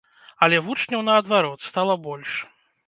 Але вучняў наадварот стала больш!